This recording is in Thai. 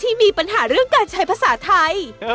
มีปัญหาเรื่องการใช้ภาษาไทย